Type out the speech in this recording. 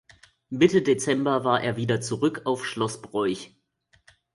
Mitte Dezember war er wieder zurück auf Schloss Broich.